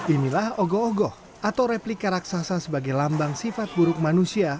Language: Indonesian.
inilah ogoh ogoh atau replika raksasa sebagai lambang sifat buruk manusia